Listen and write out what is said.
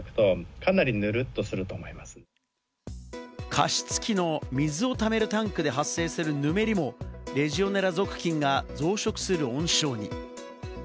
加湿器の水をためるタンクで発生するぬめりもレジオネラ属菌が増殖する温床に。